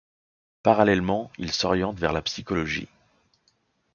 Parallèlement il s’oriente vers la psychologie.